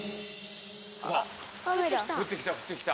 降ってきた降ってきた。